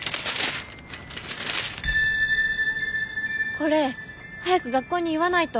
これ早く学校に言わないと。